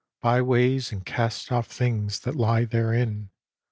By ways and cast off things that lie therein.